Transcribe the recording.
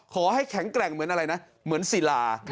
แข็งแกร่งเหมือนอะไรนะเหมือนศิลา